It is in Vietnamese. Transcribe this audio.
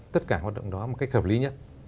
tất cả hoạt động đó một cách hợp lý nhất